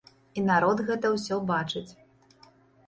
І народ гэта ўсё бачыць.